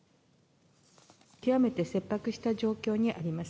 極めて切迫した状況にあります。